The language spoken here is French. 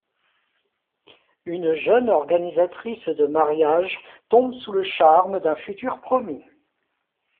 Une jeune organisatrice de mariage tombe sous le charme d'un futur promis.